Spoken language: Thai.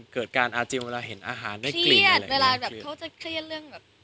เกิดเกลียดเวลาเขาจะเกลียดเรื่อง